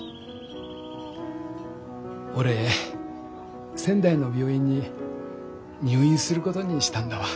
俺仙台の病院に入院することにしたんだわ。